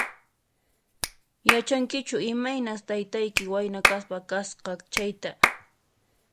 Yachankichu imaynas taytayki wayna kaspa kasqa chayta?